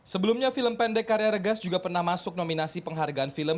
sebelumnya film pendek karya regas juga pernah masuk nominasi penghargaan film